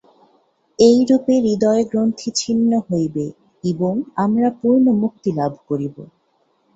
এইরূপে হৃদয়-গ্রন্থি ছিন্ন হইবে, এবং আমরা পূর্ণ মুক্তি লাভ করিব।